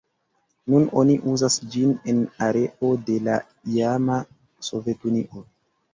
Nun oni uzas ĝin en areo de la iama Sovetunio.